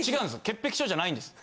潔癖症じゃないんです。